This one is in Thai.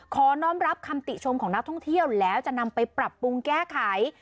น้องรับคำติชมของนักท่องเที่ยวแล้วจะนำไปปรับปรุงแก้ไข